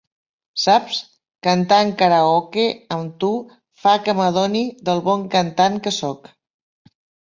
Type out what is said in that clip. Saps, cantar en karaoke amb tu fa que m'adoni del bon cantant que soc.